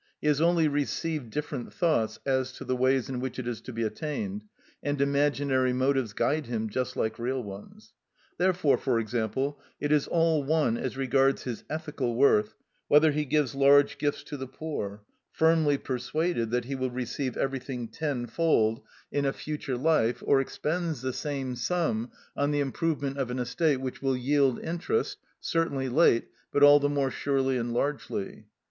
He has only received different thoughts as to the ways in which it is to be attained, and imaginary motives guide him just like real ones. Therefore, for example, it is all one, as regards his ethical worth, whether he gives large gifts to the poor, firmly persuaded that he will receive everything tenfold in a future life, or expends the same sum on the improvement of an estate which will yield interest, certainly late, but all the more surely and largely.